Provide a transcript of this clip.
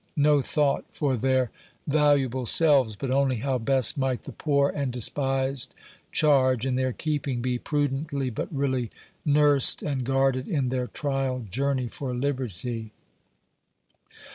No thought for their valuable selves, but only how best might the poor and despised charge in their keeping be prudently but really nursed and guarded in their trial journey for liberty.